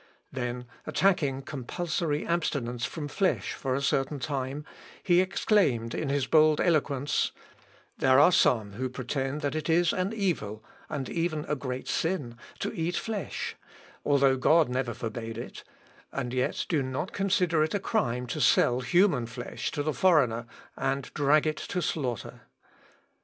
" Then attacking compulsory abstinence from flesh for a certain time, he exclaimed in his bold eloquence, "There are some who pretend that it is an evil, and even a great sin, to eat flesh, although God never forbade it; and yet do not consider it a crime to sell human flesh to the foreigner, and drag it to slaughter."